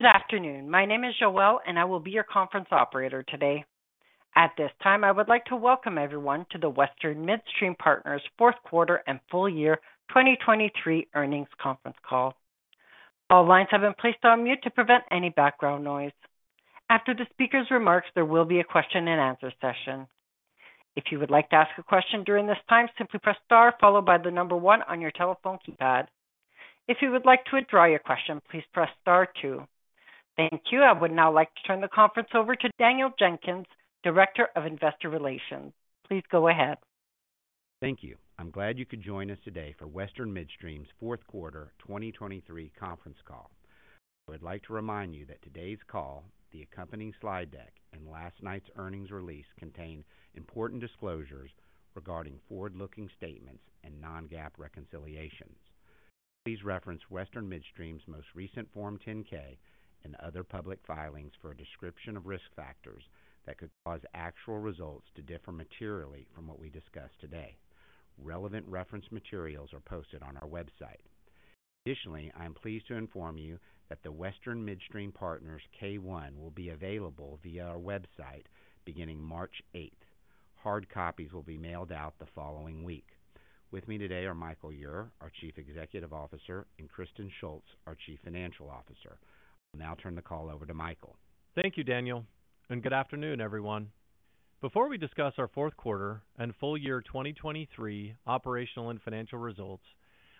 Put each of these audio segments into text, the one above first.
Good afternoon. My name is Joelle, and I will be your conference operator today. At this time, I would like to welcome everyone to the Western Midstream Partners' fourth quarter and full-year 2023 earnings conference call. All lines have been placed on mute to prevent any background noise. After the speaker's remarks, there will be a question-and-answer session. If you would like to ask a question during this time, simply press star followed by the number 1 on your telephone keypad. If you would like to withdraw your question, please press star 2. Thank you. I would now like to turn the conference over to Daniel Jenkins, Director of Investor Relations. Please go ahead. Thank you. I'm glad you could join us today for Western Midstream's fourth quarter 2023 conference call. I would like to remind you that today's call, the accompanying slide deck, and last night's earnings release contain important disclosures regarding forward-looking statements and non-GAAP reconciliations. Please reference Western Midstream's most recent Form 10-K and other public filings for a description of risk factors that could cause actual results to differ materially from what we discussed today. Relevant reference materials are posted on our website. Additionally, I am pleased to inform you that the Western Midstream Partners' K-1 will be available via our website beginning March 8th. Hard copies will be mailed out the following week. With me today are Michael Ure, our Chief Executive Officer, and Kristen Shults, our Chief Financial Officer. I'll now turn the call over to Michael. Thank you, Daniel, and good afternoon, everyone. Before we discuss our fourth quarter and full-year 2023 operational and financial results,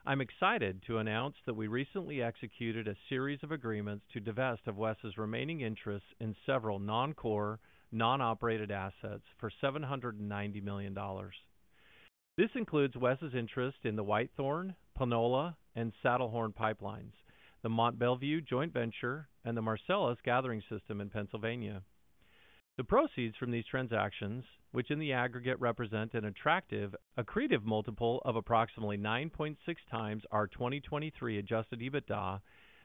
I'm excited to announce that we recently executed a series of agreements to divest of WES's remaining interests in several non-core, non-operated assets for $790 million. This includes WES's interest in the Whitethorn, Panola, and Saddlehorn pipelines, the Mont Belvieu joint venture, and the Marcellus gathering system in Pennsylvania. The proceeds from these transactions, which in the aggregate represent an attractive, accretive multiple of approximately 9.6x our 2023 Adjusted EBITDA,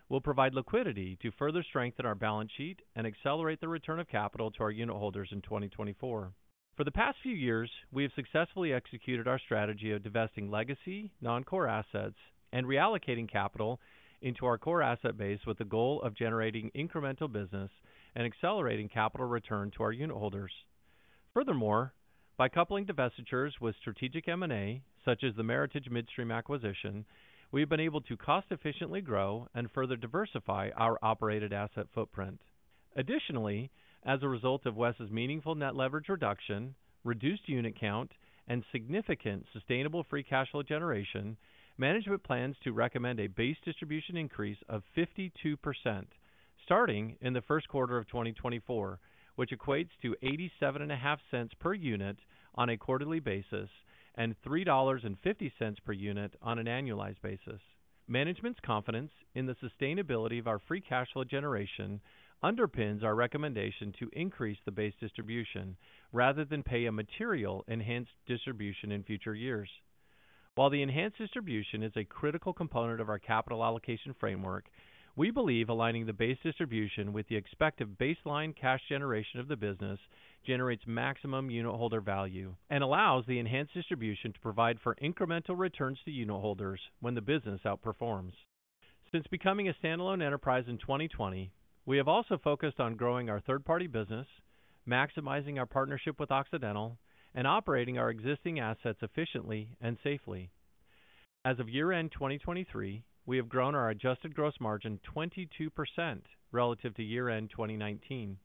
will provide liquidity to further strengthen our balance sheet and accelerate the return of capital to our unitholders in 2024. For the past few years, we have successfully executed our strategy of divesting legacy, non-core assets, and reallocating capital into our core asset base with the goal of generating incremental business and accelerating capital return to our unit holders. Furthermore, by coupling divestitures with strategic M&A such as the Meritage Midstream acquisition, we have been able to cost-efficiently grow and further diversify our operated asset footprint. Additionally, as a result of WES's meaningful net leverage reduction, reduced unit count, and significant sustainable free cash flow generation, management plans to recommend a base distribution increase of 52% starting in the first quarter of 2024, which equates to $0.87 per unit on a quarterly basis and $3.50 per unit on an annualized basis. Management's confidence in the sustainability of our free cash flow generation underpins our recommendation to increase the base distribution rather than pay a material enhanced distribution in future years. While the enhanced distribution is a critical component of our capital allocation framework, we believe aligning the base distribution with the expected baseline cash generation of the business generates maximum unit holder value and allows the enhanced distribution to provide for incremental returns to unit holders when the business outperforms. Since becoming a standalone enterprise in 2020, we have also focused on growing our third-party business, maximizing our partnership with Occidental, and operating our existing assets efficiently and safely. As of year-end 2023, we have grown our adjusted gross margin 22% relative to year-end 2019.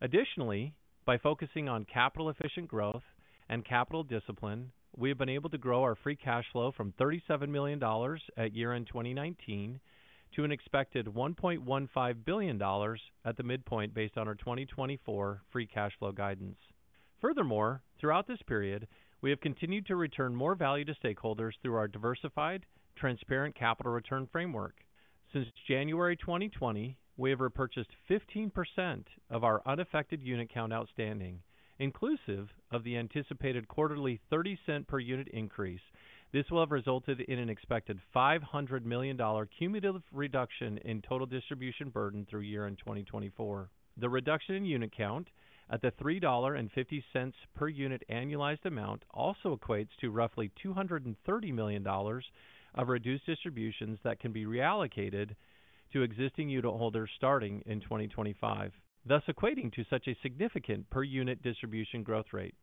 Additionally, by focusing on capital-efficient growth and capital discipline, we have been able to grow our free cash flow from $37 million at year-end 2019 to an expected $1.15 billion at the midpoint based on our 2024 free cash flow guidance. Furthermore, throughout this period, we have continued to return more value to stakeholders through our diversified, transparent capital return framework. Since January 2020, we have repurchased 15% of our unaffected unit count outstanding. Inclusive of the anticipated quarterly $0.30 per unit increase, this will have resulted in an expected $500 million cumulative reduction in total distribution burden through year-end 2024. The reduction in unit count at the $3.50 per unit annualized amount also equates to roughly $230 million of reduced distributions that can be reallocated to existing unit holders starting in 2025, thus equating to such a significant per unit distribution growth rate.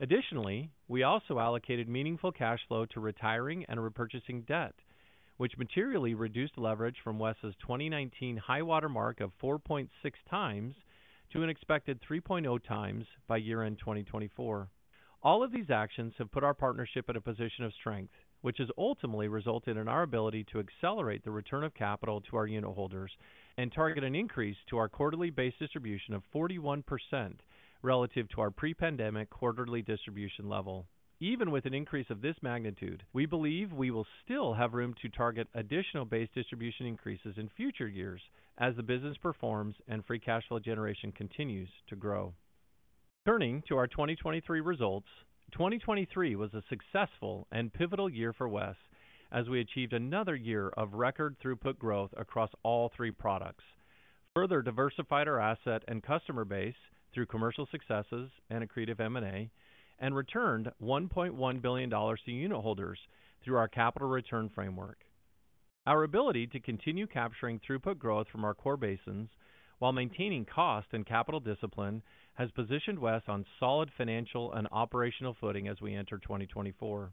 Additionally, we also allocated meaningful cash flow to retiring and repurchasing debt, which materially reduced leverage from Wes's 2019 high watermark of 4.6x to an expected 3.0x by year-end 2024. All of these actions have put our partnership at a position of strength, which has ultimately resulted in our ability to accelerate the return of capital to our unit holders and target an increase to our quarterly base distribution of 41% relative to our pre-pandemic quarterly distribution level. Even with an increase of this magnitude, we believe we will still have room to target additional base distribution increases in future years as the business performs and Free Cash Flow generation continues to grow. Turning to our 2023 results, 2023 was a successful and pivotal year for Wes as we achieved another year of record throughput growth across all three products, further diversified our asset and customer base through commercial successes and accretive M&A, and returned $1.1 billion to unit holders through our capital return framework. Our ability to continue capturing throughput growth from our core basins while maintaining cost and capital discipline has positioned Wes on solid financial and operational footing as we enter 2024.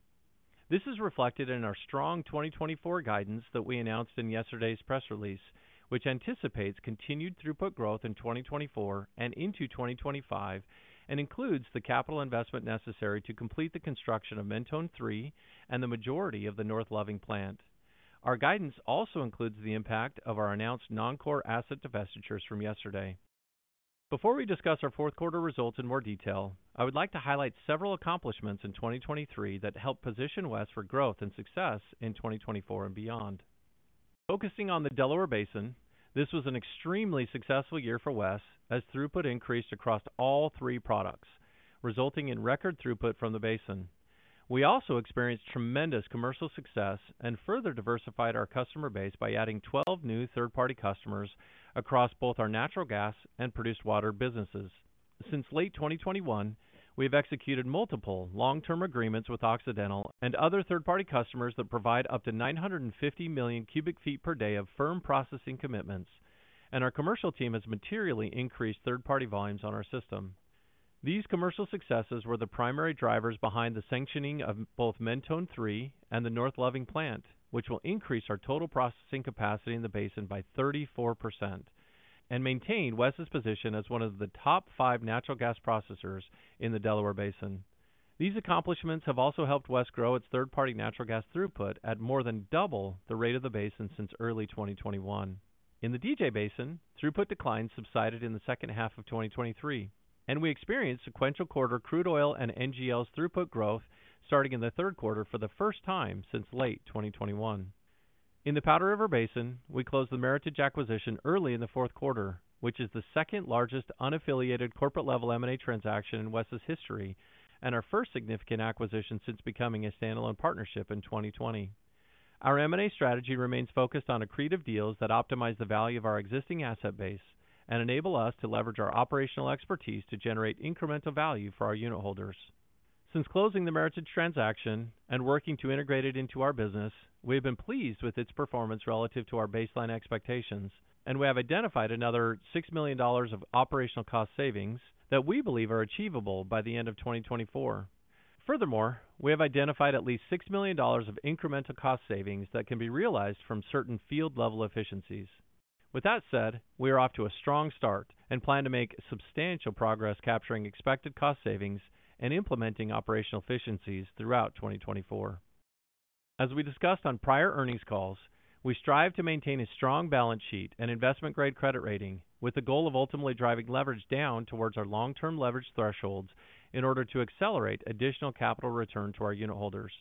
This is reflected in our strong 2024 guidance that we announced in yesterday's press release, which anticipates continued throughput growth in 2024 and into 2025 and includes the capital investment necessary to complete the construction of Mentone 3 and the majority of the North Loving Plant. Our guidance also includes the impact of our announced non-core asset divestitures from yesterday. Before we discuss our fourth quarter results in more detail, I would like to highlight several accomplishments in 2023 that helped position Wes for growth and success in 2024 and beyond. Focusing on the Delaware Basin, this was an extremely successful year for Wes as throughput increased across all three products, resulting in record throughput from the basin. We also experienced tremendous commercial success and further diversified our customer base by adding 12 new third-party customers across both our natural gas and produced water businesses. Since late 2021, we have executed multiple long-term agreements with Occidental and other third-party customers that provide up to 950 million cubic feet per day of firm processing commitments, and our commercial team has materially increased third-party volumes on our system. These commercial successes were the primary drivers behind the sanctioning of both Mentone 3 and the North Loving Plant, which will increase our total processing capacity in the basin by 34% and maintain Wes's position as one of the top five natural gas processors in the Delaware Basin. These accomplishments have also helped Wes grow its third-party natural gas throughput at more than double the rate of the basin since early 2021. In the DJ Basin, throughput declines subsided in the second half of 2023, and we experienced sequential quarter crude oil and NGLs throughput growth starting in the third quarter for the first time since late 2021. In the Powder River Basin, we closed the Meritage acquisition early in the fourth quarter, which is the second largest unaffiliated corporate-level M&A transaction in Wes's history and our first significant acquisition since becoming a standalone partnership in 2020. Our M&A strategy remains focused on accretive deals that optimize the value of our existing asset base and enable us to leverage our operational expertise to generate incremental value for our unit holders. Since closing the Meritage transaction and working to integrate it into our business, we have been pleased with its performance relative to our baseline expectations, and we have identified another $6 million of operational cost savings that we believe are achievable by the end of 2024. Furthermore, we have identified at least $6 million of incremental cost savings that can be realized from certain field-level efficiencies. With that said, we are off to a strong start and plan to make substantial progress capturing expected cost savings and implementing operational efficiencies throughout 2024. As we discussed on prior earnings calls, we strive to maintain a strong balance sheet and investment-grade credit rating with the goal of ultimately driving leverage down towards our long-term leverage thresholds in order to accelerate additional capital return to our unit holders.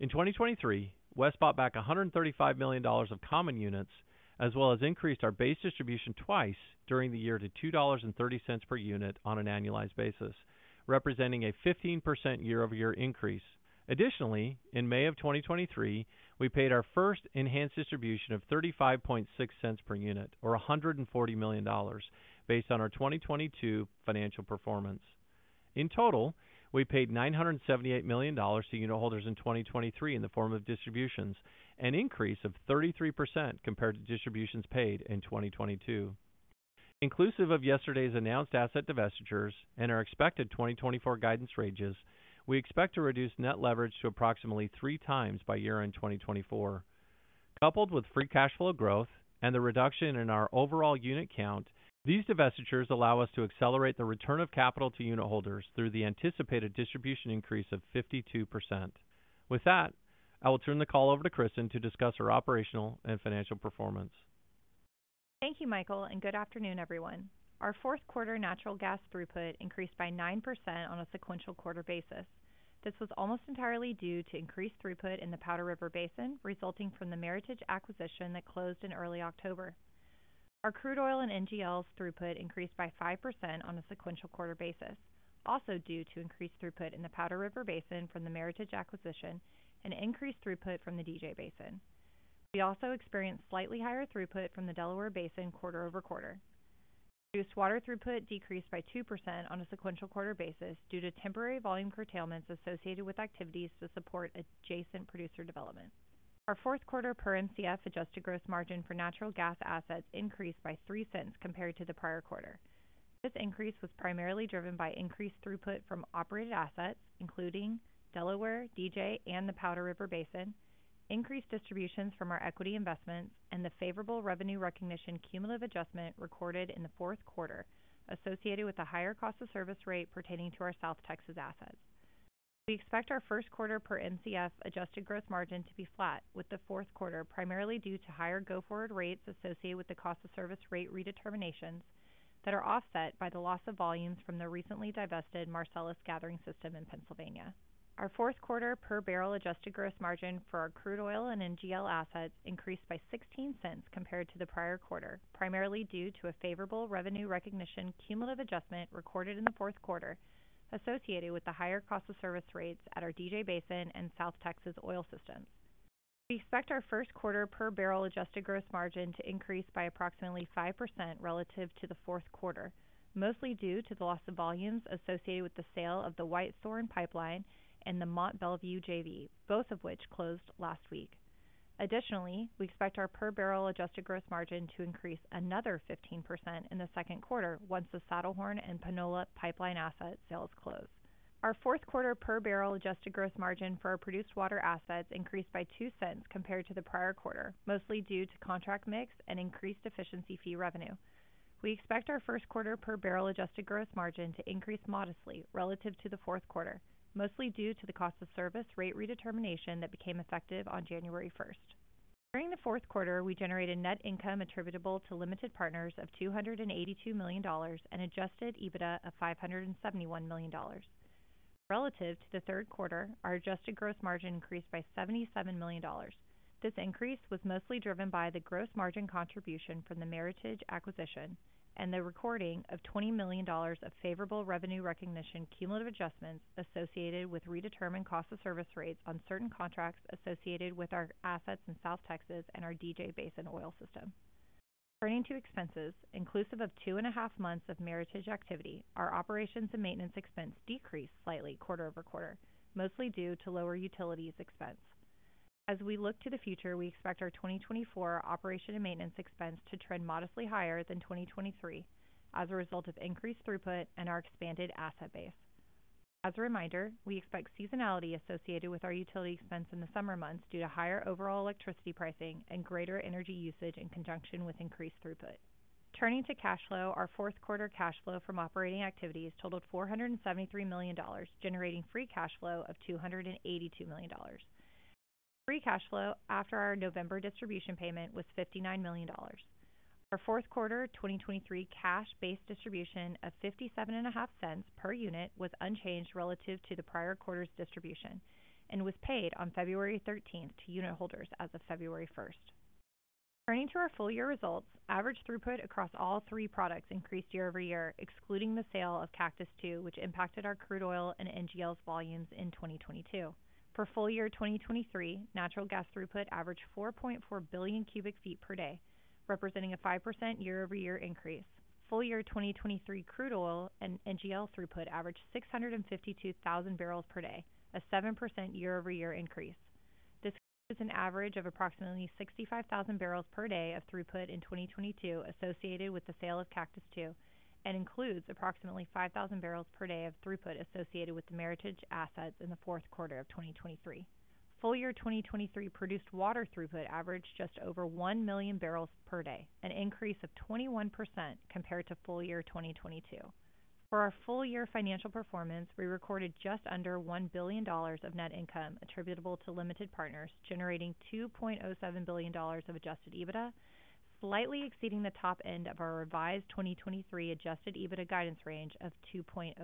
In 2023, Wes bought back $135 million of common units as well as increased our base distribution twice during the year to $2.30 per unit on an annualized basis, representing a 15% year-over-year increase. Additionally, in May of 2023, we paid our first enhanced distribution of $0.35 per unit or $140 million based on our 2022 financial performance. In total, we paid $978 million to unit holders in 2023 in the form of distributions, an increase of 33% compared to distributions paid in 2022. Inclusive of yesterday's announced asset divestitures and our expected 2024 guidance ranges, we expect to reduce net leverage to approximately 3x by year-end 2024. Coupled with free cash flow growth and the reduction in our overall unit count, these divestitures allow us to accelerate the return of capital to unit holders through the anticipated distribution increase of 52%. With that, I will turn the call over to Kristen to discuss our operational and financial performance. Thank you, Michael, and good afternoon, everyone. Our fourth quarter natural gas throughput increased by 9% on a sequential quarter basis. This was almost entirely due to increased throughput in the Powder River Basin resulting from the Meritage acquisition that closed in early October. Our crude oil and NGLs throughput increased by 5% on a sequential quarter basis, also due to increased throughput in the Powder River Basin from the Meritage acquisition and increased throughput from the DJ Basin. We also experienced slightly higher throughput from the Delaware Basin quarter over quarter. Produced water throughput decreased by 2% on a sequential quarter basis due to temporary volume curtailments associated with activities to support adjacent producer development. Our fourth quarter per MCF adjusted gross margin for natural gas assets increased by $0.03 compared to the prior quarter. This increase was primarily driven by increased throughput from operated assets, including Delaware, DJ, and the Powder River Basin, increased distributions from our equity investments, and the favorable revenue recognition cumulative adjustment recorded in the fourth quarter associated with a higher cost-of-service rate pertaining to our South Texas assets. We expect our first quarter per MCF adjusted gross margin to be flat with the fourth quarter primarily due to higher go-forward rates associated with the cost-of-service rate redeterminations that are offset by the loss of volumes from the recently divested Marcellus gathering system in Pennsylvania. Our fourth quarter per barrel adjusted gross margin for our crude oil and NGL assets increased by $0.16 compared to the prior quarter, primarily due to a favorable revenue recognition cumulative adjustment recorded in the fourth quarter associated with the higher cost-of-service rates at our DJ Basin and South Texas oil systems. We expect our first quarter per barrel adjusted gross margin to increase by approximately 5% relative to the fourth quarter, mostly due to the loss of volumes associated with the sale of the Whitethorn Pipeline and the Mont Belvieu JV, both of which closed last week. Additionally, we expect our per barrel adjusted gross margin to increase another 15% in the second quarter once the Saddlehorn and Panola Pipeline asset sales close. Our fourth quarter per barrel adjusted gross margin for our produced water assets increased by $0.02 compared to the prior quarter, mostly due to contract mix and increased efficiency fee revenue. We expect our first quarter per barrel adjusted gross margin to increase modestly relative to the fourth quarter, mostly due to the cost-of-service rate redetermination that became effective on January 1st. During the fourth quarter, we generated net income attributable to limited partners of $282 million and Adjusted EBITDA of $571 million. Relative to the third quarter, our Adjusted Gross Margin increased by $77 million. This increase was mostly driven by the gross margin contribution from the Meritage acquisition and the recording of $20 million of favorable revenue recognition cumulative adjustments associated with redetermined cost-of-service rates on certain contracts associated with our assets in South Texas and our DJ Basin oil system. Turning to expenses, inclusive of two and a half months of Meritage activity, our operations and maintenance expense decreased slightly quarter-over-quarter, mostly due to lower utilities expense. As we look to the future, we expect our 2024 operations and maintenance expense to trend modestly higher than 2023 as a result of increased throughput and our expanded asset base. As a reminder, we expect seasonality associated with our utility expense in the summer months due to higher overall electricity pricing and greater energy usage in conjunction with increased throughput. Turning to cash flow, our fourth quarter cash flow from operating activities totaled $473 million, generating free cash flow of $282 million. Free cash flow after our November distribution payment was $59 million. Our fourth quarter 2023 cash-based distribution of $0.575 per unit was unchanged relative to the prior quarter's distribution and was paid on February 13th to unit holders as of February 1st. Turning to our full year results, average throughput across all three products increased year-over-year, excluding the sale of Cactus II, which impacted our crude oil and NGLs volumes in 2022. For full year 2023, natural gas throughput averaged 4.4 billion cubic feet per day, representing a 5% year-over-year increase. Full year 2023 crude oil and NGL throughput averaged 652,000 barrels per day, a 7% year-over-year increase. This is an average of approximately 65,000 barrels per day of throughput in 2022 associated with the sale of Cactus II and includes approximately 5,000 barrels per day of throughput associated with the Meritage assets in the fourth quarter of 2023. Full year 2023 produced water throughput averaged just over 1,000,000 barrels per day, an increase of 21% compared to full year 2022. For our full year financial performance, we recorded just under $1 billion of net income attributable to limited partners generating $2.07 billion of Adjusted EBITDA, slightly exceeding the top end of our revised 2023 Adjusted EBITDA guidance range of $2.05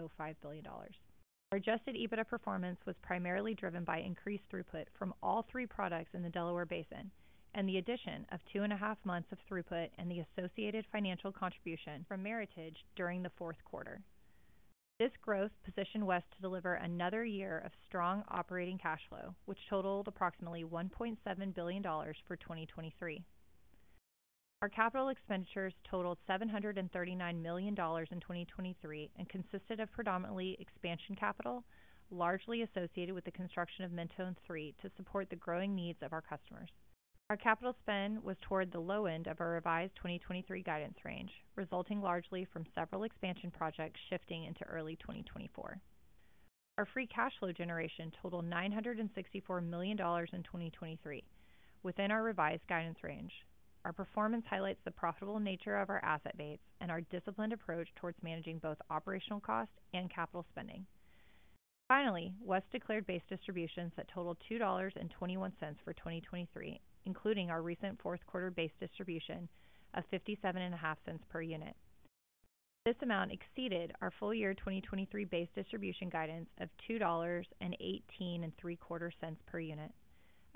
billion. Our Adjusted EBITDA performance was primarily driven by increased throughput from all three products in the Delaware Basin and the addition of 2.5 months of throughput and the associated financial contribution from Meritage during the fourth quarter. This growth positioned Wes to deliver another year of strong operating cash flow, which totaled approximately $1.7 billion for 2023. Our capital expenditures totaled $739 million in 2023 and consisted of predominantly expansion capital, largely associated with the construction of Mentone 3 to support the growing needs of our customers. Our capital spend was toward the low end of our revised 2023 guidance range, resulting largely from several expansion projects shifting into early 2024. Our free cash flow generation totaled $964 million in 2023 within our revised guidance range. Our performance highlights the profitable nature of our asset base and our disciplined approach towards managing both operational cost and capital spending. Finally, WES declared base distributions that totaled $2.21 for 2023, including our recent fourth quarter base distribution of $0.575 per unit. This amount exceeded our full year 2023 base distribution guidance of $2.18 per unit.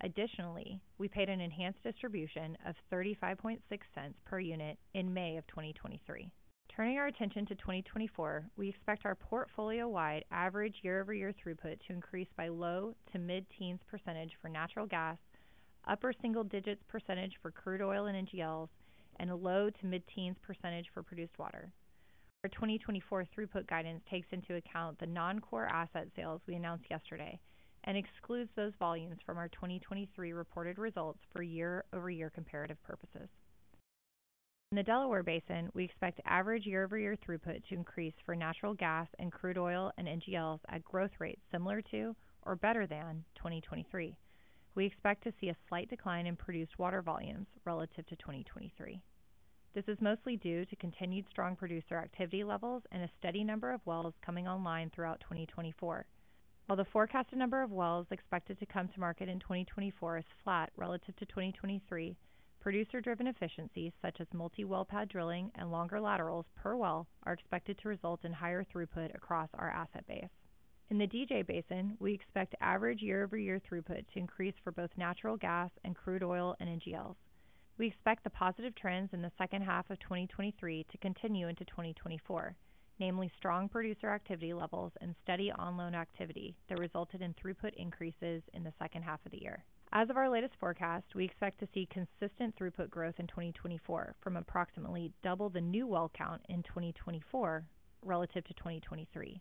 Additionally, we paid an enhanced distribution of $0.356 per unit in May of 2023. Turning our attention to 2024, we expect our portfolio-wide average year-over-year throughput to increase by low-to-mid-teens% for natural gas, upper single-digits% for crude oil and NGLs, and a low-to-mid-teens% for produced water. Our 2024 throughput guidance takes into account the non-core asset sales we announced yesterday and excludes those volumes from our 2023 reported results for year-over-year comparative purposes. In the Delaware Basin, we expect average year-over-year throughput to increase for natural gas and crude oil and NGLs at growth rates similar to or better than 2023. We expect to see a slight decline in produced water volumes relative to 2023. This is mostly due to continued strong producer activity levels and a steady number of wells coming online throughout 2024. While the forecasted number of wells expected to come to market in 2024 is flat relative to 2023, producer-driven efficiencies such as multi-well pad drilling and longer laterals per well are expected to result in higher throughput across our asset base. In the DJ Basin, we expect average year-over-year throughput to increase for both natural gas and crude oil and NGLs. We expect the positive trends in the second half of 2023 to continue into 2024, namely strong producer activity levels and steady onload activity that resulted in throughput increases in the second half of the year. As of our latest forecast, we expect to see consistent throughput growth in 2024 from approximately double the new well count in 2024 relative to 2023,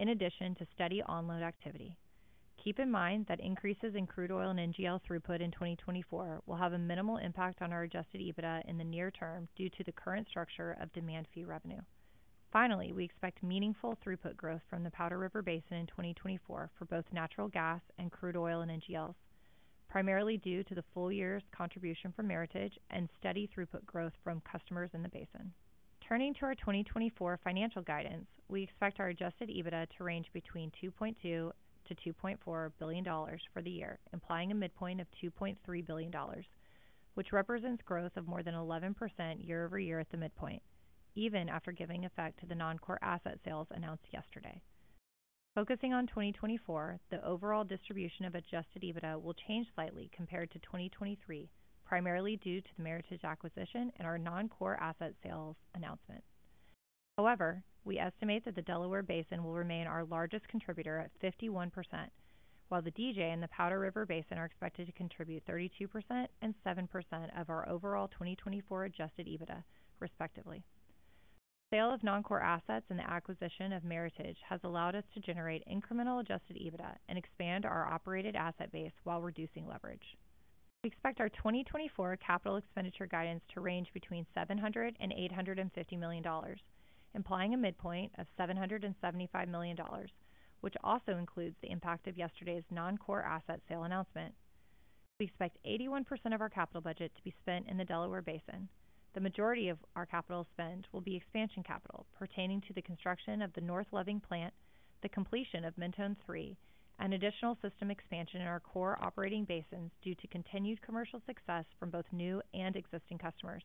in addition to steady onload activity. Keep in mind that increases in crude oil and NGL throughput in 2024 will have a minimal impact on our Adjusted EBITDA in the near term due to the current structure of demand fee revenue. Finally, we expect meaningful throughput growth from the Powder River Basin in 2024 for both natural gas and crude oil and NGLs, primarily due to the full year's contribution from Meritage and steady throughput growth from customers in the basin. Turning to our 2024 financial guidance, we expect our Adjusted EBITDA to range between $2.2-$2.4 billion for the year, implying a midpoint of $2.3 billion, which represents growth of more than 11% year-over-year at the midpoint, even after giving effect to the non-core asset sales announced yesterday. Focusing on 2024, the overall distribution of Adjusted EBITDA will change slightly compared to 2023, primarily due to the Meritage acquisition and our non-core asset sales announcement. However, we estimate that the Delaware Basin will remain our largest contributor at 51%, while the DJ and the Powder River Basin are expected to contribute 32% and 7% of our overall 2024 Adjusted EBITDA, respectively. The sale of non-core assets and the acquisition of Meritage has allowed us to generate incremental Adjusted EBITDA and expand our operated asset base while reducing leverage. We expect our 2024 capital expenditure guidance to range $700-$850 million, implying a midpoint of $775 million, which also includes the impact of yesterday's non-core asset sale announcement. We expect 81% of our capital budget to be spent in the Delaware Basin. The majority of our capital spend will be expansion capital pertaining to the construction of the North Loving Plant, the completion of Mentone 3, and additional system expansion in our core operating basins due to continued commercial success from both new and existing customers.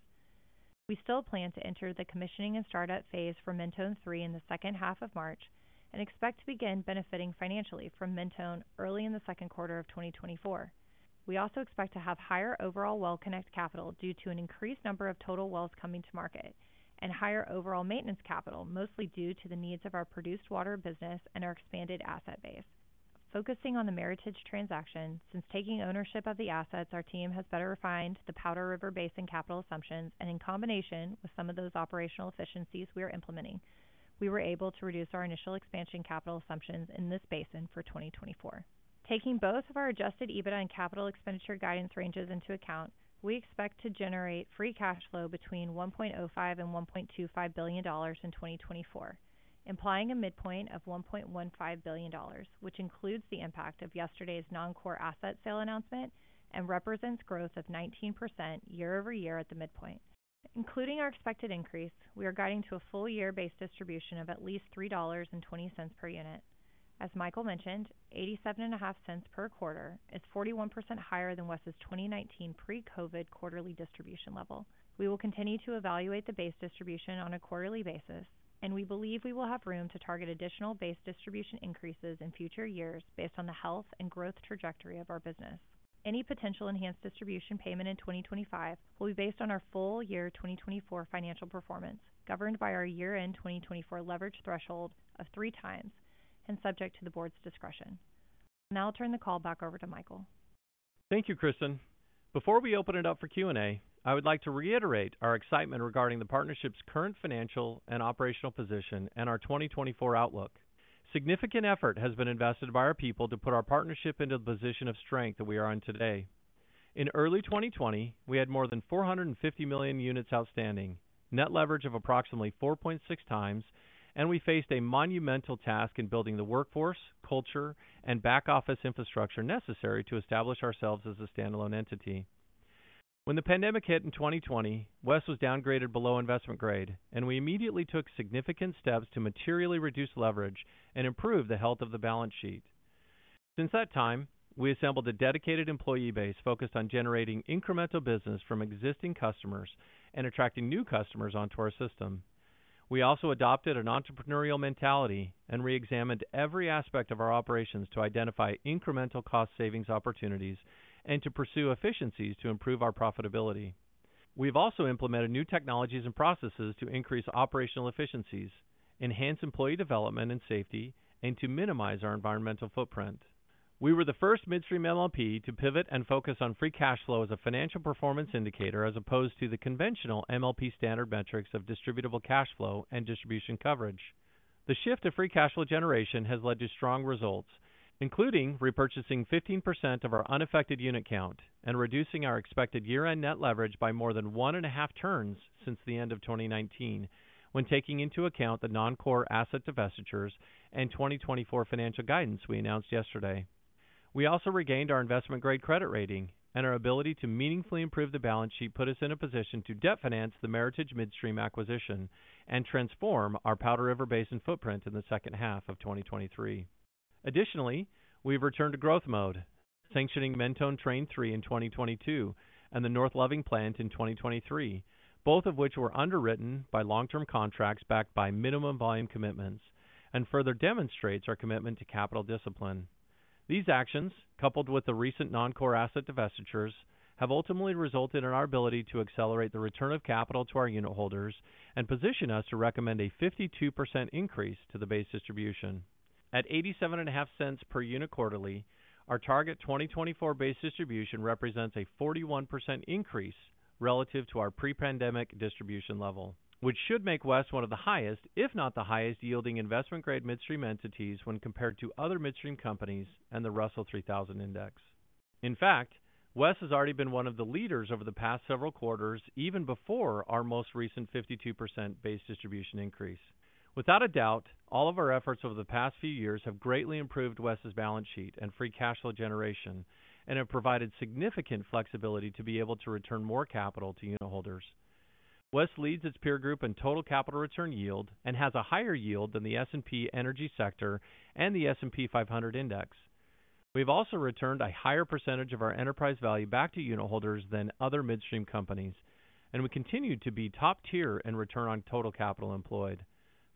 We still plan to enter the commissioning and startup phase for Mentone 3 in the second half of March and expect to begin benefiting financially from Mentone early in the second quarter of 2024. We also expect to have higher overall well-connect capital due to an increased number of total wells coming to market and higher overall maintenance capital, mostly due to the needs of our produced water business and our expanded asset base. Focusing on the Meritage transaction, since taking ownership of the assets, our team has better refined the Powder River Basin capital assumptions and, in combination with some of those operational efficiencies we are implementing, we were able to reduce our initial expansion capital assumptions in this basin for 2024. Taking both of our Adjusted EBITDA and capital expenditure guidance ranges into account, we expect to generate Free Cash Flow between $1.05 and $1.25 billion in 2024, implying a midpoint of $1.15 billion, which includes the impact of yesterday's non-core asset sale announcement and represents growth of 19% year-over-year at the midpoint. Including our expected increase, we are guiding to a full year-based distribution of at least $3.20 per unit. As Michael mentioned, $0.875 per quarter is 41% higher than Wes's 2019 pre-COVID quarterly distribution level. We will continue to evaluate the base distribution on a quarterly basis, and we believe we will have room to target additional base distribution increases in future years based on the health and growth trajectory of our business. Any potential enhanced distribution payment in 2025 will be based on our full year 2024 financial performance, governed by our year-end 2024 leverage threshold of 3x and subject to the board's discretion. I'll now turn the call back over to Michael. Thank you, Kristen. Before we open it up for Q&A, I would like to reiterate our excitement regarding the partnership's current financial and operational position and our 2024 outlook. Significant effort has been invested by our people to put our partnership into the position of strength that we are in today. In early 2020, we had more than 450 million units outstanding, net leverage of approximately 4.6x, and we faced a monumental task in building the workforce, culture, and back-office infrastructure necessary to establish ourselves as a standalone entity. When the pandemic hit in 2020, Wes was downgraded below investment grade, and we immediately took significant steps to materially reduce leverage and improve the health of the balance sheet. Since that time, we assembled a dedicated employee base focused on generating incremental business from existing customers and attracting new customers onto our system. We also adopted an entrepreneurial mentality and reexamined every aspect of our operations to identify incremental cost savings opportunities and to pursue efficiencies to improve our profitability. We've also implemented new technologies and processes to increase operational efficiencies, enhance employee development and safety, and to minimize our environmental footprint. We were the first midstream MLP to pivot and focus on Free Cash Flow as a financial performance indicator as opposed to the conventional MLP standard metrics of Distributable Cash Flow and distribution coverage. The shift to Free Cash Flow generation has led to strong results, including repurchasing 15% of our unaffected unit count and reducing our expected year-end Net Leverage by more than 1.5 turns since the end of 2019 when taking into account the non-core asset divestitures and 2024 financial guidance we announced yesterday. We also regained our investment-grade credit rating, and our ability to meaningfully improve the balance sheet put us in a position to debt finance the Meritage Midstream acquisition and transform our Powder River Basin footprint in the second half of 2023. Additionally, we've returned to growth mode, sanctioning Mentone Train 3 in 2022 and the North Loving Plant in 2023, both of which were underwritten by long-term contracts backed by minimum volume commitments and further demonstrates our commitment to capital discipline. These actions, coupled with the recent non-core asset divestitures, have ultimately resulted in our ability to accelerate the return of capital to our unit holders and position us to recommend a 52% increase to the base distribution. At $0.875 per unit quarterly, our target 2024 base distribution represents a 41% increase relative to our pre-pandemic distribution level, which should make Wes one of the highest, if not the highest yielding investment-grade midstream entities when compared to other midstream companies and the Russell 3000 Index. In fact, Wes has already been one of the leaders over the past several quarters, even before our most recent 52% base distribution increase. Without a doubt, all of our efforts over the past few years have greatly improved Wes's balance sheet and free cash flow generation and have provided significant flexibility to be able to return more capital to unit holders. Wes leads its peer group in total capital return yield and has a higher yield than the S&P Energy Sector and the S&P 500 Index. We've also returned a higher percentage of our enterprise value back to unit holders than other midstream companies, and we continue to be top tier in return on total capital employed.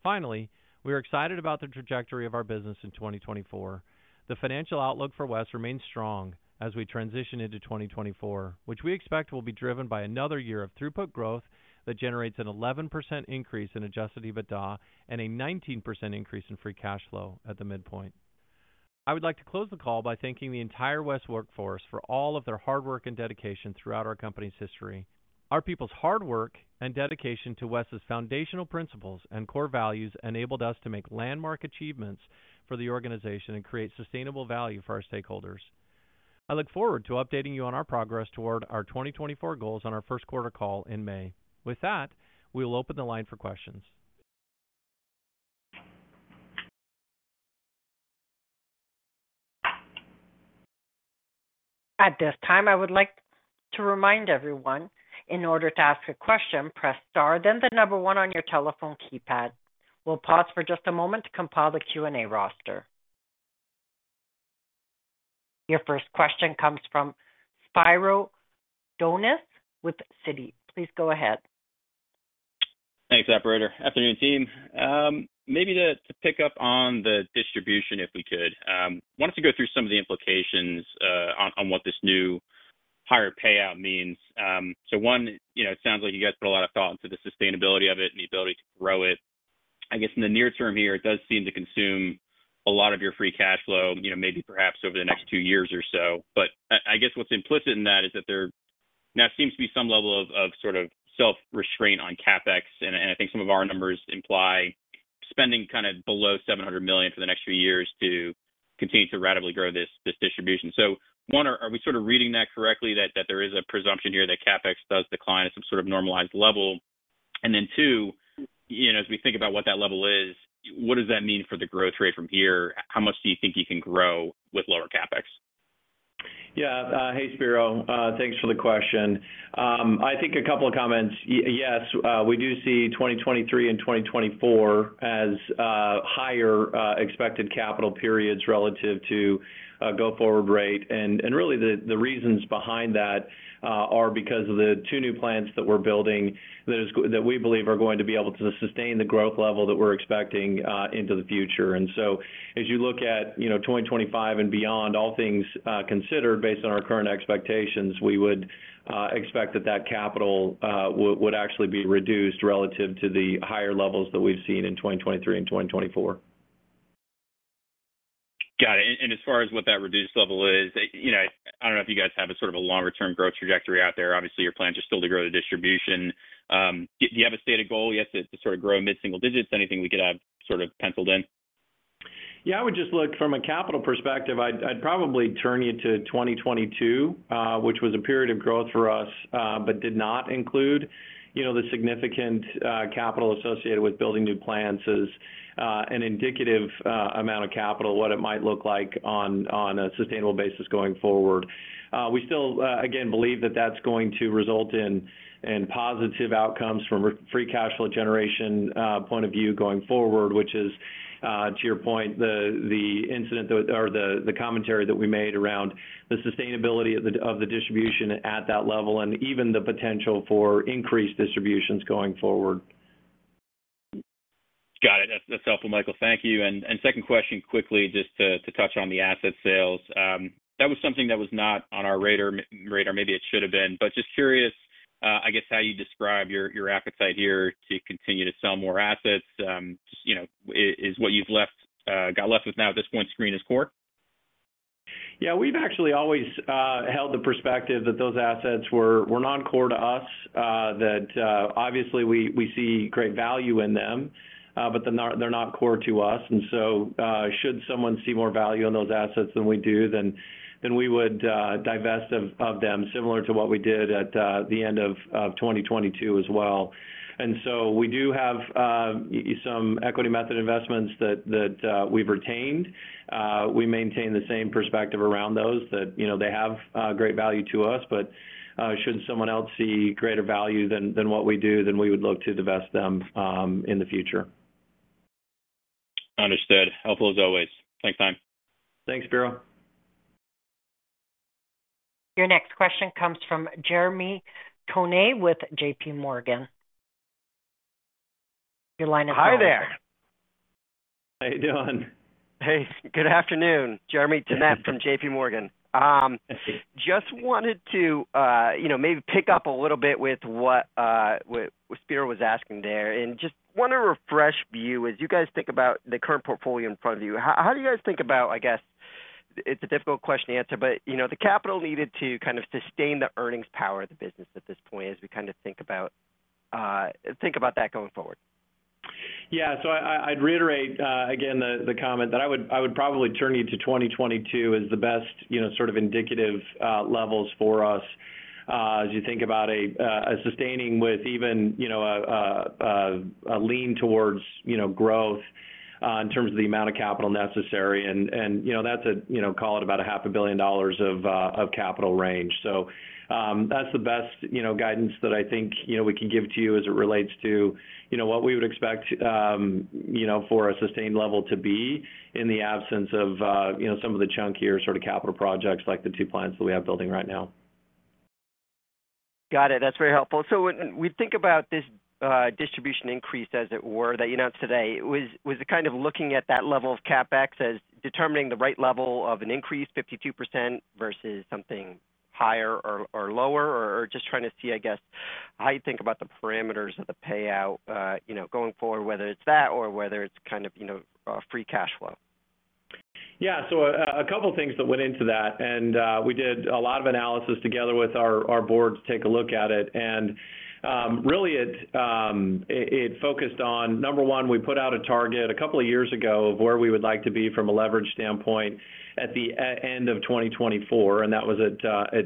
Finally, we are excited about the trajectory of our business in 2024. The financial outlook for Wes remains strong as we transition into 2024, which we expect will be driven by another year of throughput growth that generates an 11% increase in Adjusted EBITDA and a 19% increase in Free Cash Flow at the midpoint. I would like to close the call by thanking the entire Wes workforce for all of their hard work and dedication throughout our company's history. Our people's hard work and dedication to Wes's foundational principles and core values enabled us to make landmark achievements for the organization and create sustainable value for our stakeholders. I look forward to updating you on our progress toward our 2024 goals on our first quarter call in May. With that, we will open the line for questions. At this time, I would like to remind everyone, in order to ask a question, press star then the number one on your telephone keypad. We'll pause for just a moment to compile the Q&A roster. Your first question comes from Spiro Dounis with Citi. Please go ahead. Thanks, Operator. Afternoon, team. Maybe to pick up on the distribution if we could, I wanted to go through some of the implications on what this new higher payout means. So one, it sounds like you guys put a lot of thought into the sustainability of it and the ability to grow it. I guess in the near term here, it does seem to consume a lot of your Free Cash Flow, maybe perhaps over the next two years or so. But I guess what's implicit in that is that there now seems to be some level of sort of self-restraint on CapEx, and I think some of our numbers imply spending kind of below $700 million for the next few years to continue to rapidly grow this distribution. One, are we sort of reading that correctly, that there is a presumption here that CapEx does decline at some sort of normalized level? And then two, as we think about what that level is, what does that mean for the growth rate from here? How much do you think you can grow with lower CapEx? Yeah. Hey, Spiro. Thanks for the question. I think a couple of comments. Yes, we do see 2023 and 2024 as higher expected capital periods relative to go-forward rate. And really, the reasons behind that are because of the two new plants that we're building that we believe are going to be able to sustain the growth level that we're expecting into the future. And so as you look at 2025 and beyond, all things considered based on our current expectations, we would expect that that capital would actually be reduced relative to the higher levels that we've seen in 2023 and 2024. Got it. As far as what that reduced level is, I don't know if you guys have a sort of a longer-term growth trajectory out there. Obviously, your plans are still to grow the distribution. Do you have a stated goal? Yes, to sort of grow mid-single digits. Anything we could have sort of penciled in? Yeah, I would just look from a capital perspective. I'd probably turn you to 2022, which was a period of growth for us but did not include the significant capital associated with building new plants, an indicative amount of capital, what it might look like on a sustainable basis going forward. We still, again, believe that that's going to result in positive outcomes from a Free Cash Flow generation point of view going forward, which is, to your point, the incident or the commentary that we made around the sustainability of the distribution at that level and even the potential for increased distributions going forward. Got it. That's helpful, Michael. Thank you. And second question, quickly, just to touch on the asset sales. That was something that was not on our radar. Maybe it should have been. But just curious, I guess, how you describe your appetite here to continue to sell more assets? Is what you've got left with now at this point seen as core? Yeah, we've actually always held the perspective that those assets were non-core to us, that obviously, we see great value in them, but they're not core to us. And so should someone see more value in those assets than we do, then we would divest of them similar to what we did at the end of 2022 as well. And so we do have some equity method investments that we've retained. We maintain the same perspective around those, that they have great value to us. But should someone else see greater value than what we do, then we would look to divest them in the future. Understood. Helpful as always. Thanks, Time. Thanks, Spiro. Your next question comes from Jeremy Tonet with J.P. Morgan. Your line is on. Hi there. How you doing? Hey. Good afternoon, Jeremy Tonet from J.P. Morgan. Just wanted to maybe pick up a little bit with what Spiro was asking there. And just want to refresh view as you guys think about the current portfolio in front of you, how do you guys think about, I guess it's a difficult question to answer, but the capital needed to kind of sustain the earnings power of the business at this point as we kind of think about that going forward? Yeah. So I'd reiterate, again, the comment that I would probably turn you to 2022 as the best sort of indicative levels for us as you think about sustaining with even a lean towards growth in terms of the amount of capital necessary. And that's a call it about $500 million of capital range. So that's the best guidance that I think we can give to you as it relates to what we would expect for a sustained level to be in the absence of some of the chunkier sort of capital projects like the two plants that we have building right now. Got it. That's very helpful. So when we think about this distribution increase, as it were, that you announced today, was it kind of looking at that level of CapEx as determining the right level of an increase, 52%, versus something higher or lower? Or just trying to see, I guess, how you think about the parameters of the payout going forward, whether it's that or whether it's kind of free cash flow? Yeah. So a couple of things that went into that. We did a lot of analysis together with our board to take a look at it. Really, it focused on, number one, we put out a target a couple of years ago of where we would like to be from a leverage standpoint at the end of 2024, and that was at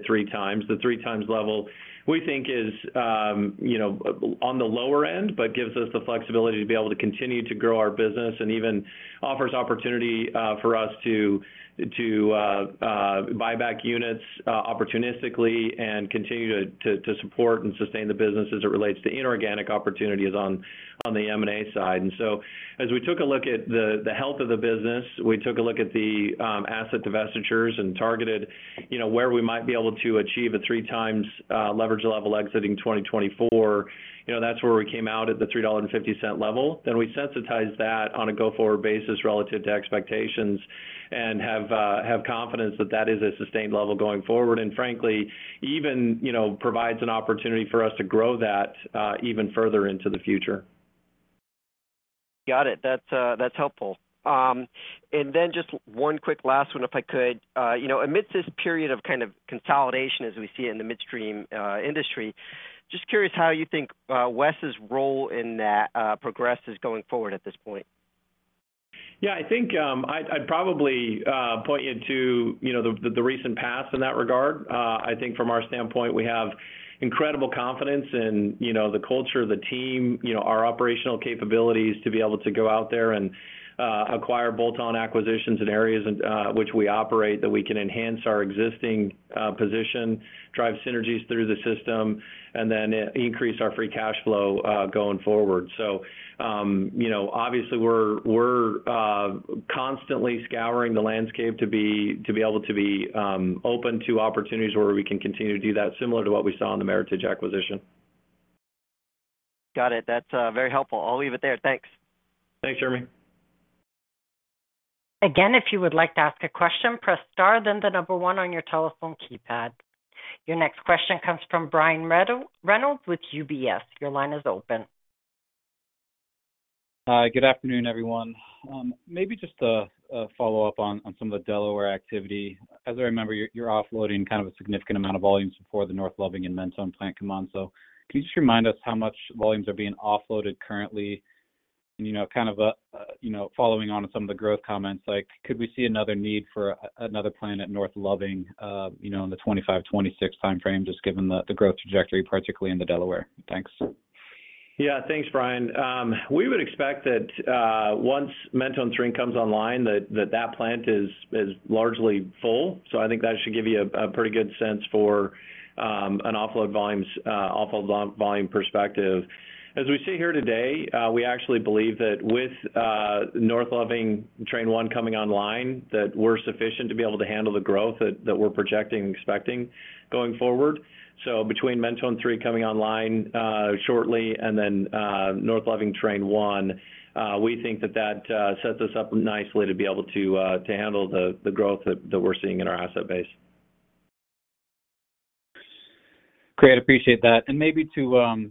3x. The 3x level, we think, is on the lower end but gives us the flexibility to be able to continue to grow our business and even offers opportunity for us to buy back units opportunistically and continue to support and sustain the business as it relates to inorganic opportunities on the M&A side. As we took a look at the health of the business, we took a look at the asset divestitures and targeted where we might be able to achieve a 3x leverage level exiting 2024. That's where we came out at the $3.50 level. We sensitized that on a go-forward basis relative to expectations and have confidence that that is a sustained level going forward and, frankly, even provides an opportunity for us to grow that even further into the future. Got it. That's helpful. And then just one quick last one, if I could. Amidst this period of kind of consolidation as we see it in the midstream industry, just curious how you think Wes's role in that progresses going forward at this point. Yeah, I think I'd probably point you to the recent past in that regard. I think from our standpoint, we have incredible confidence in the culture, the team, our operational capabilities to be able to go out there and acquire bolt-on acquisitions in areas in which we operate that we can enhance our existing position, drive synergies through the system, and then increase our free cash flow going forward. So obviously, we're constantly scouring the landscape to be able to be open to opportunities where we can continue to do that similar to what we saw in the Meritage acquisition. Got it. That's very helpful. I'll leave it there. Thanks. Thanks, Jeremy. Again, if you would like to ask a question, press star then 1 on your telephone keypad. Your next question comes from Brian Reynolds with UBS. Your line is open. Good afternoon, everyone. Maybe just a follow-up on some of the Delaware activity. As I remember, you're offloading kind of a significant amount of volumes before the North Loving and Mentone plant come on. So can you just remind us how much volumes are being offloaded currently? And kind of following on to some of the growth comments, could we see another need for another plant at North Loving in the 2025-2026 timeframe, just given the growth trajectory, particularly in the Delaware? Thanks. Yeah, thanks, Brian. We would expect that once Mentone 3 comes online, that that plant is largely full. So I think that should give you a pretty good sense for an offload volume perspective. As we see here today, we actually believe that with North Loving Train One coming online, that we're sufficient to be able to handle the growth that we're projecting and expecting going forward. So between Mentone 3 coming online shortly and then North Loving Train One, we think that that sets us up nicely to be able to handle the growth that we're seeing in our asset base. Great. Appreciate that. And maybe to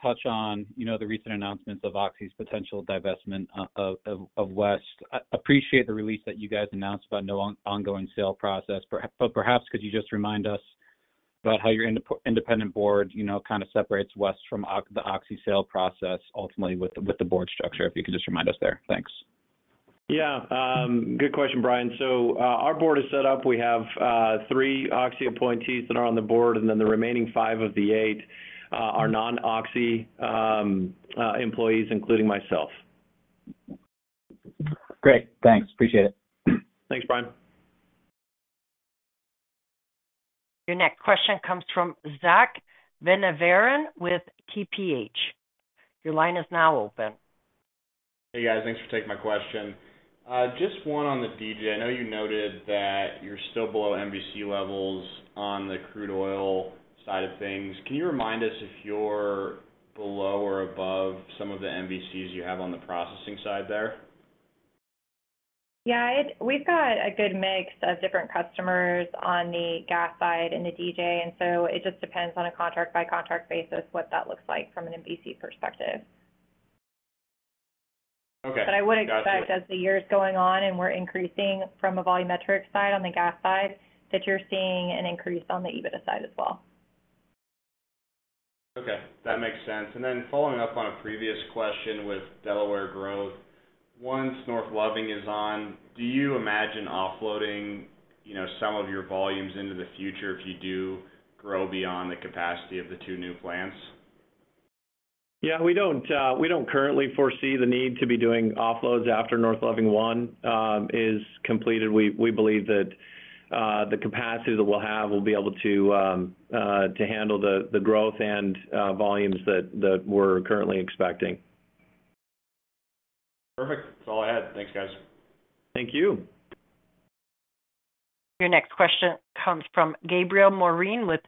touch on the recent announcements of Oxy's potential divestment of Wes, I appreciate the release that you guys announced about no ongoing sale process, but perhaps could you just remind us about how your independent board kind of separates Wes from the Oxy sale process ultimately with the board structure, if you could just remind us there? Thanks. Yeah. Good question, Brian. So our board is set up. We have three Oxy appointees that are on the board, and then the remaining five of the eight are non-Oxy employees, including myself. Great. Thanks. Appreciate it. Thanks, Brian. Your next question comes from Zack Van Everen with TPH. Your line is now open. Hey, guys. Thanks for taking my question. Just one on the DJ. I know you noted that you're still below MVC levels on the crude oil side of things. Can you remind us if you're below or above some of the MVCs you have on the processing side there? Yeah, we've got a good mix of different customers on the gas side and the DJ. So it just depends on a contract-by-contract basis what that looks like from an MVC perspective. I would expect, as the year's going on and we're increasing from a volumetric side on the gas side, that you're seeing an increase on the EBITDA side as well. Okay. That makes sense. And then following up on a previous question with Delaware growth, once North Loving is on, do you imagine offloading some of your volumes into the future if you do grow beyond the capacity of the two new plants? Yeah, we don't currently foresee the need to be doing offloads after North Loving One is completed. We believe that the capacity that we'll have will be able to handle the growth and volumes that we're currently expecting. Perfect. That's all I had. Thanks, guys. Thank you. Your next question comes from Gabriel Moreen with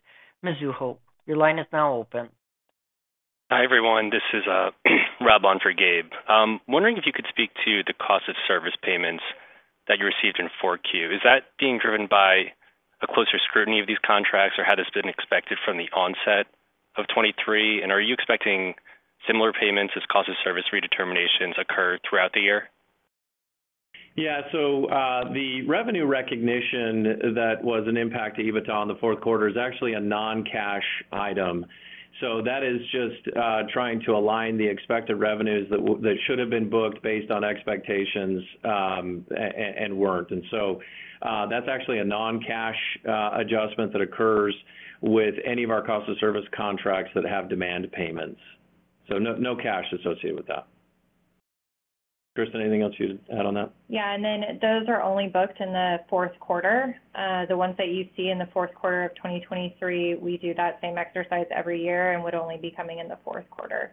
Mizuho. Your line is now open. Hi everyone. This is Rob on for Gabe. Wondering if you could speak to the cost-of-service payments that you received in 4Q. Is that being driven by a closer scrutiny of these contracts, or had this been expected from the onset of 2023? And are you expecting similar payments as cost-of-service redeterminations occur throughout the year? Yeah. So the revenue recognition that was an impact to EBITDA on the fourth quarter is actually a non-cash item. So that is just trying to align the expected revenues that should have been booked based on expectations and weren't. And so that's actually a non-cash adjustment that occurs with any of our cost of service contracts that have demand payments. So no cash associated with that. Kristen, anything else you'd add on that? Yeah. Those are only booked in the fourth quarter. The ones that you see in the fourth quarter of 2023, we do that same exercise every year and would only be coming in the fourth quarter.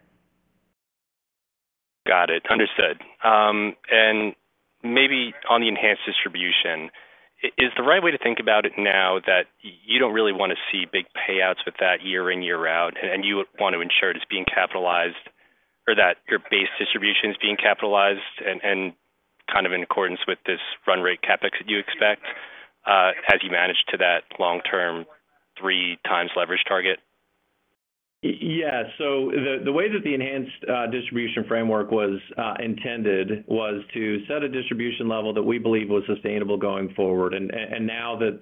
Got it. Understood. Maybe on the Enhanced Distribution, is the right way to think about it now that you don't really want to see big payouts with that year in, year out, and you want to ensure it's being capitalized or that your Base Distribution is being capitalized and kind of in accordance with this run rate CapEx that you expect as you manage to that long-term 3x leverage target? Yeah. So the way that the enhanced distribution framework was intended was to set a distribution level that we believe was sustainable going forward. And now that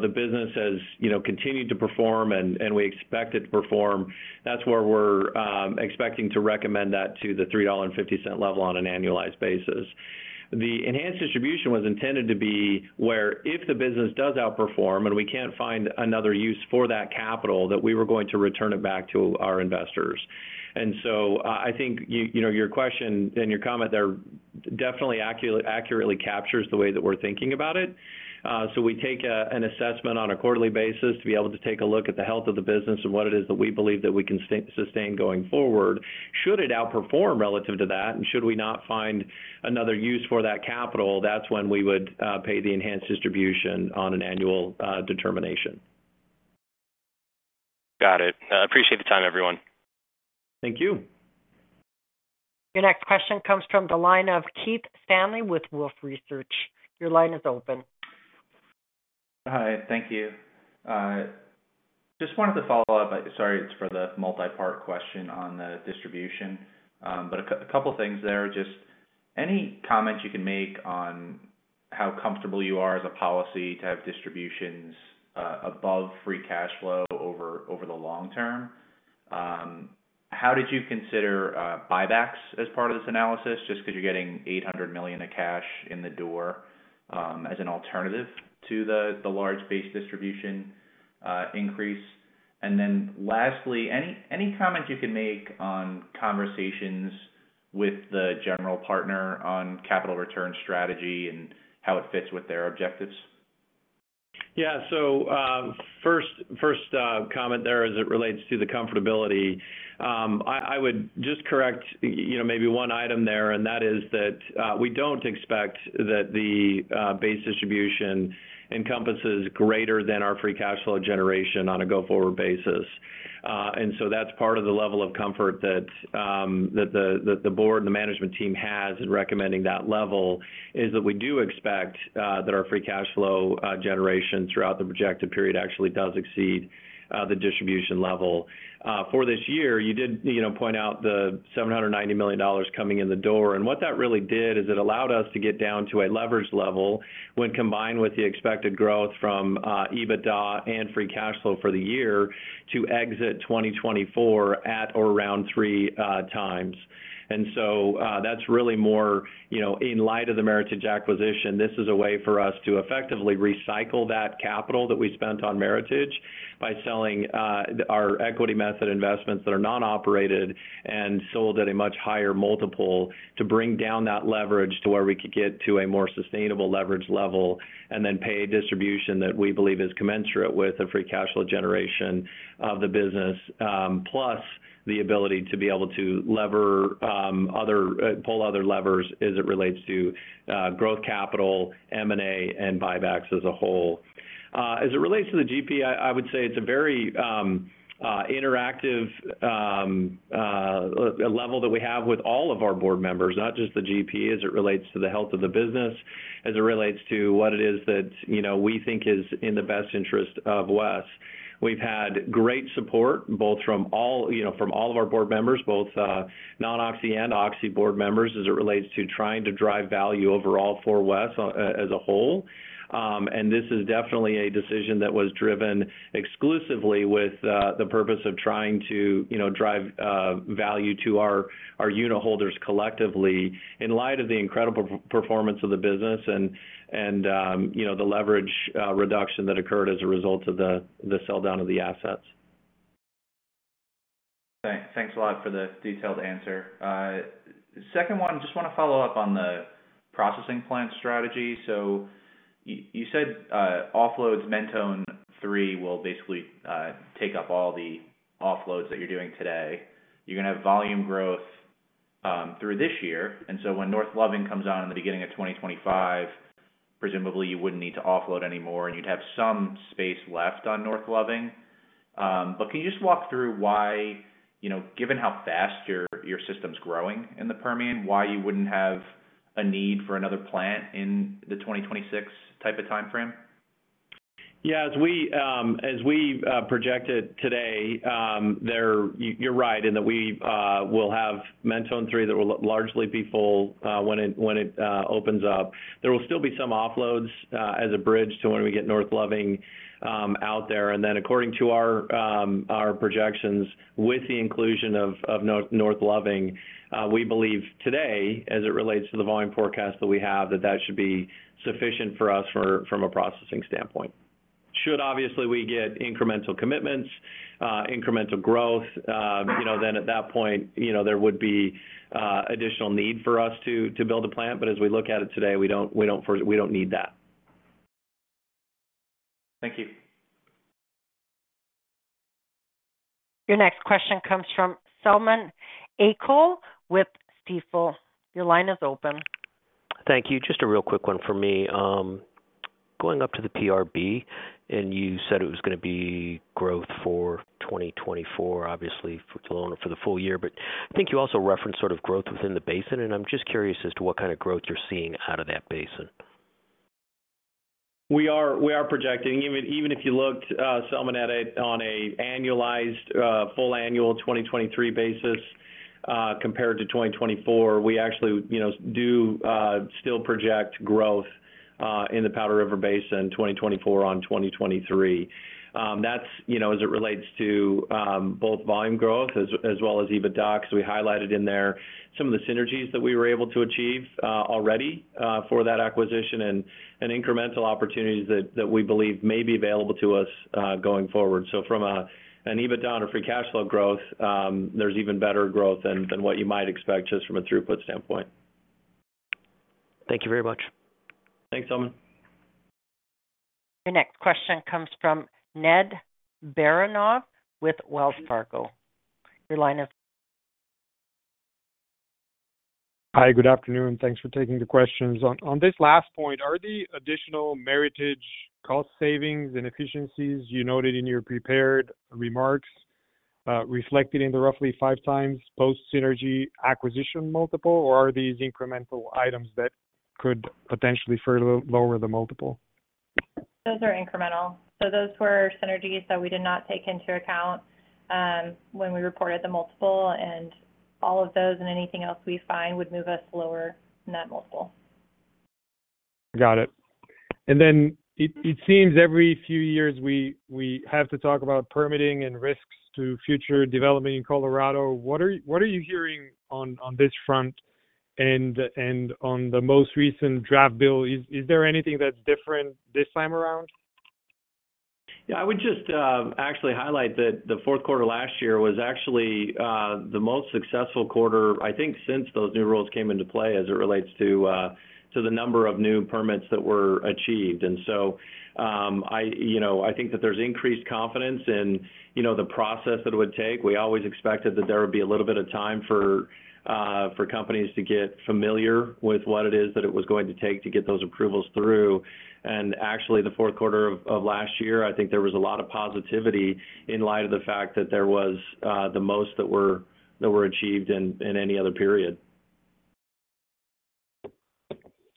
the business has continued to perform and we expect it to perform, that's where we're expecting to recommend that to the $3.50 level on an annualized basis. The enhanced distribution was intended to be where if the business does outperform and we can't find another use for that capital, that we were going to return it back to our investors. And so I think your question and your comment there definitely accurately captures the way that we're thinking about it. So we take an assessment on a quarterly basis to be able to take a look at the health of the business and what it is that we believe that we can sustain going forward. Should it outperform relative to that, and should we not find another use for that capital, that's when we would pay the enhanced distribution on an annual determination. Got it. Appreciate the time, everyone. Thank you. Your next question comes from the line of Keith Stanley with Wolfe Research. Your line is open. Hi. Thank you. Just wanted to follow up. Sorry, it's for the multi-part question on the distribution. But a couple of things there. Just any comments you can make on how comfortable you are as a policy to have distributions above free cash flow over the long term. How did you consider buybacks as part of this analysis? Just because you're getting $800 million of cash in the door as an alternative to the large base distribution increase. And then lastly, any comments you can make on conversations with the general partner on capital return strategy and how it fits with their objectives? Yeah. So first comment there as it relates to the comfortability, I would just correct maybe one item there, and that is that we don't expect that the base distribution encompasses greater than our free cash flow generation on a go-forward basis. And so that's part of the level of comfort that the board and the management team has in recommending that level, is that we do expect that our free cash flow generation throughout the projected period actually does exceed the distribution level. For this year, you did point out the $790 million coming in the door. And what that really did is it allowed us to get down to a leveraged level when combined with the expected growth from EBITDA and free cash flow for the year to exit 2024 at or around 3x. And so that's really more in light of the Meritage acquisition. This is a way for us to effectively recycle that capital that we spent on Meritage by selling our equity method investments that are non-operated and sold at a much higher multiple to bring down that leverage to where we could get to a more sustainable leverage level and then pay a distribution that we believe is commensurate with the free cash flow generation of the business, plus the ability to be able to pull other levers as it relates to growth capital, M&A, and buybacks as a whole. As it relates to the GP, I would say it's a very interactive level that we have with all of our board members, not just the GP, as it relates to the health of the business, as it relates to what it is that we think is in the best interest of Wes. We've had great support both from all of our board members, both non-Oxy and Oxy board members, as it relates to trying to drive value overall for Wes as a whole. This is definitely a decision that was driven exclusively with the purpose of trying to drive value to our unit holders collectively in light of the incredible performance of the business and the leverage reduction that occurred as a result of the sell-down of the assets. Thanks a lot for the detailed answer. Second one, just want to follow up on the processing plant strategy. So you said offloads Mentone 3 will basically take up all the offloads that you're doing today. You're going to have volume growth through this year. And so when North Loving comes on in the beginning of 2025, presumably, you wouldn't need to offload anymore, and you'd have some space left on North Loving. But can you just walk through why, given how fast your system's growing in the Permian, why you wouldn't have a need for another plant in the 2026 type of timeframe? Yeah. As we project it today, you're right in that we will have Mentone 3 that will largely be full when it opens up. There will still be some offloads as a bridge to when we get North Loving out there. And then according to our projections, with the inclusion of North Loving, we believe today, as it relates to the volume forecast that we have, that that should be sufficient for us from a processing standpoint. Should, obviously, we get incremental commitments, incremental growth, then at that point, there would be additional need for us to build a plant. But as we look at it today, we don't need that. Thank you. Your next question comes from Selman Akyol with Stifel. Your line is open. Thank you. Just a real quick one for me. Going up to the PRB, and you said it was going to be growth for 2024, obviously, for the full year. But I think you also referenced sort of growth within the basin. And I'm just curious as to what kind of growth you're seeing out of that basin. We are projecting. Even if you looked, Selman, at it on a full annual 2023 basis compared to 2024, we actually do still project growth in the Powder River Basin 2024 on 2023. That's as it relates to both volume growth as well as EBITDA. So we highlighted in there some of the synergies that we were able to achieve already for that acquisition and incremental opportunities that we believe may be available to us going forward. So from an EBITDA and a Free Cash Flow growth, there's even better growth than what you might expect just from a throughput standpoint. Thank you very much. Thanks, Selman. Your next question comes from Ned Baramov with Wells Fargo. Your line is. Hi. Good afternoon. Thanks for taking the questions. On this last point, are the additional Meritage cost savings and efficiencies you noted in your prepared remarks reflected in the roughly 5x post-synergy acquisition multiple, or are these incremental items that could potentially further lower the multiple? Those are incremental. So those were synergies that we did not take into account when we reported the multiple. And all of those and anything else we find would move us lower in that multiple. Got it. And then it seems every few years we have to talk about permitting and risks to future development in Colorado. What are you hearing on this front and on the most recent draft bill? Is there anything that's different this time around? Yeah. I would just actually highlight that the fourth quarter last year was actually the most successful quarter, I think, since those new rules came into play as it relates to the number of new permits that were achieved. And so I think that there's increased confidence in the process that it would take. We always expected that there would be a little bit of time for companies to get familiar with what it is that it was going to take to get those approvals through. And actually, the fourth quarter of last year, I think there was a lot of positivity in light of the fact that there was the most that were achieved in any other period.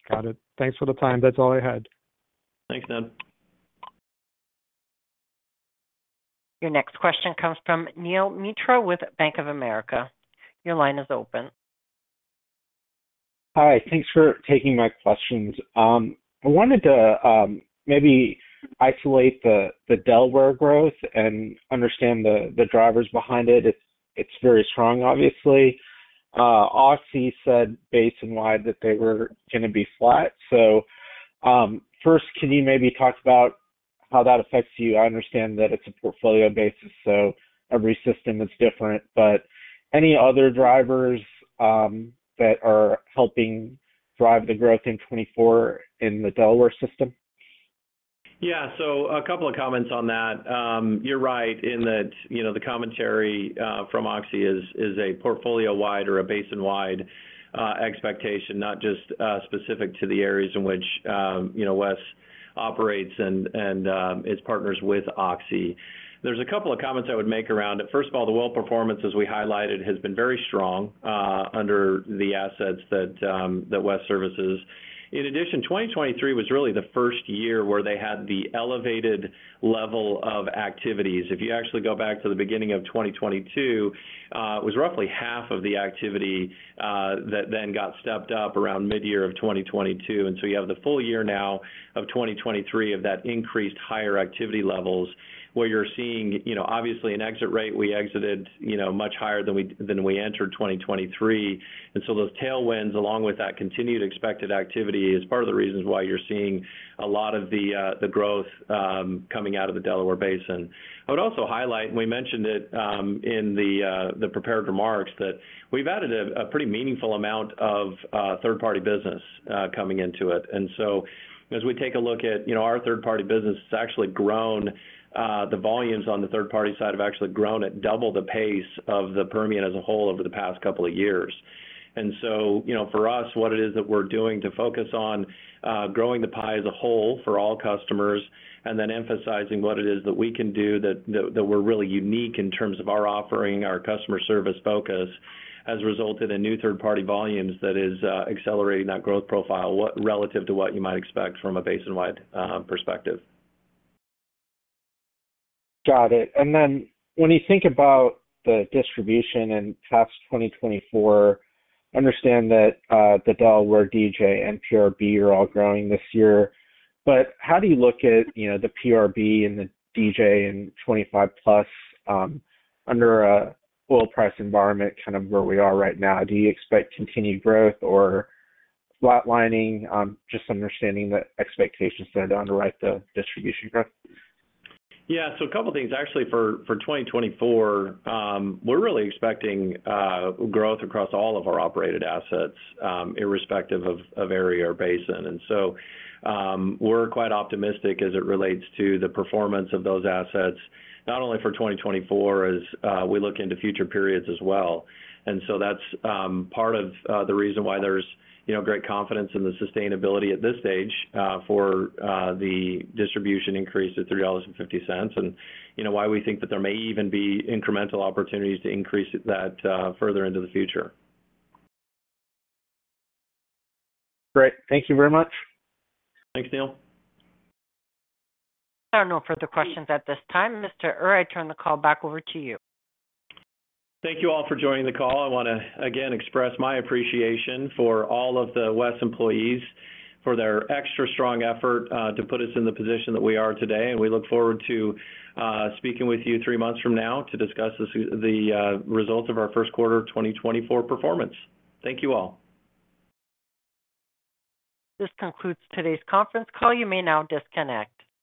Got it. Thanks for the time. That's all I had. Thanks, Ned. Your next question comes from Neel Mitra with Bank of America. Your line is open. Hi. Thanks for taking my questions. I wanted to maybe isolate the Delaware growth and understand the drivers behind it. It's very strong, obviously. Oxy said basin-wide that they were going to be flat. So first, can you maybe talk about how that affects you? I understand that it's a portfolio basis, so every system is different. But any other drivers that are helping drive the growth in 2024 in the Delaware system? Yeah. So a couple of comments on that. You're right in that the commentary from Oxy is a portfolio-wide or a basin-wide expectation, not just specific to the areas in which Wes operates and is partners with Oxy. There's a couple of comments I would make around it. First of all, the well performance, as we highlighted, has been very strong under the assets that Wes services. In addition, 2023 was really the first year where they had the elevated level of activities. If you actually go back to the beginning of 2022, it was roughly half of the activity that then got stepped up around midyear of 2022. And so you have the full year now of 2023 of that increased higher activity levels where you're seeing, obviously, an exit rate. We exited much higher than we entered 2023. And so those tailwinds, along with that continued expected activity, is part of the reasons why you're seeing a lot of the growth coming out of the Delaware Basin. I would also highlight, and we mentioned it in the prepared remarks, that we've added a pretty meaningful amount of third-party business coming into it. And so as we take a look at our third-party business, it's actually grown. The volumes on the third-party side have actually grown at double the pace of the Permian as a whole over the past couple of years. And so for us, what it is that we're doing to focus on growing the pie as a whole for all customers and then emphasizing what it is that we can do that we're really unique in terms of our offering, our customer service focus has resulted in new third-party volumes that is accelerating that growth profile relative to what you might expect from a basin-wide perspective. Got it. And then when you think about the distribution and past 2024, understand that the Delaware DJ and PRB are all growing this year. But how do you look at the PRB and the DJ and 2025-plus under an oil price environment kind of where we are right now? Do you expect continued growth or flatlining? Just understanding the expectations that are to underwrite the distribution growth. Yeah. So a couple of things. Actually, for 2024, we're really expecting growth across all of our operated assets irrespective of area or basin. And so we're quite optimistic as it relates to the performance of those assets, not only for 2024 as we look into future periods as well. And so that's part of the reason why there's great confidence in the sustainability at this stage for the distribution increase at $3.50 and why we think that there may even be incremental opportunities to increase that further into the future. Great. Thank you very much. Thanks, Neil. There are no further questions at this time. Mr. Ure, I turn the call back over to you. Thank you all for joining the call. I want to, again, express my appreciation for all of the Wes employees for their extra strong effort to put us in the position that we are today. We look forward to speaking with you three months from now to discuss the results of our first quarter 2024 performance. Thank you all. This concludes today's conference call. You may now disconnect.